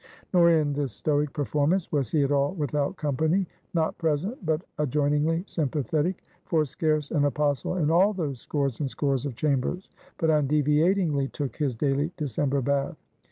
Nor, in this stoic performance, was he at all without company, not present, but adjoiningly sympathetic; for scarce an Apostle in all those scores and scores of chambers, but undeviatingly took his daily December bath.